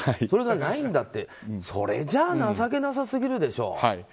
それがないんだってそれじゃ情けなさすぎるでしょ。